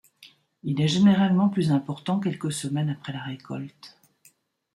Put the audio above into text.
Il est généralement plus important quelques semaines après la récolte.